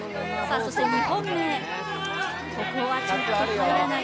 そして２本目、ここはちょっと入らない。